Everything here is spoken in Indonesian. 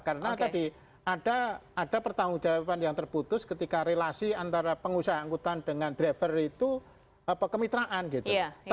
karena tadi ada pertanggung jawaban yang terputus ketika relasi antara pengusaha angkutan dengan driver itu kemitraan gitu